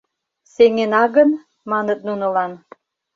— Сеҥена гын, — маныт нунылан.